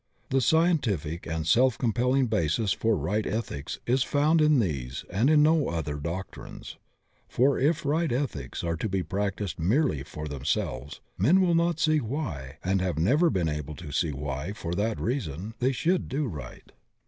The scientific and self compelling basis for ri^t ethics is found in these and in no other doctrines. For if right ethics are to be practised merely for them selves, men will not see why, and have' never been able to see why, for that reason, they should do right.